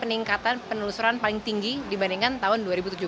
peningkatan penelusuran paling tinggi dibandingkan tahun dua ribu tujuh belas